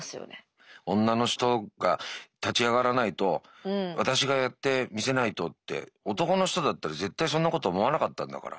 女の人が立ち上がらないと私がやって見せないとって男の人だったら絶対そんなこと思わなかったんだから。